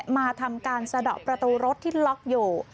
มาทำการสะดอกประตูรถที่ล็อกอยู่